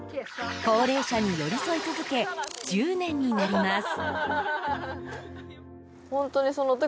高齢者に寄り添い続け１０年になります。